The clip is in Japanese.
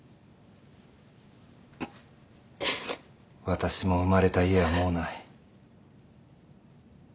私も生まれた家はもうない。